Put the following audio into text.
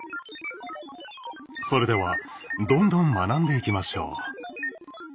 それではどんどん学んでいきましょう。